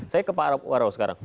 saya ke pak warau sekarang